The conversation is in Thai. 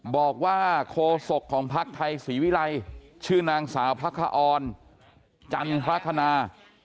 บอกว่าโคศกของพักไทยศรีวิรัยชื่อนางสาวพระคอนจันทรคณา